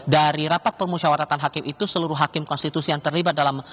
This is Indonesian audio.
dari rapat permusyawaratan hakim itu seluruh hakim konstitusi yang terlibat dalam